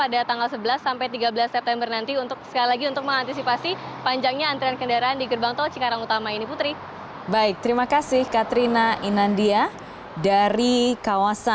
dan juga untuk menggunakan uang elektronik